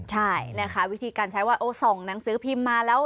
ใช่วิธีการใช้ว่าส่องหนังสือพิมพ์มาแล้ว